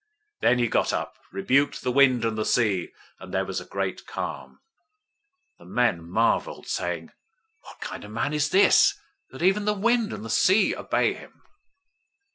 Then he got up, rebuked the wind and the sea, and there was a great calm. 008:027 The men marveled, saying, "What kind of man is this, that even the wind and the sea obey him?"